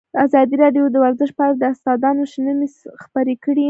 ازادي راډیو د ورزش په اړه د استادانو شننې خپرې کړي.